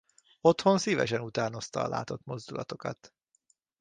Otthon szívesen utánozta a látott mozdulatokat.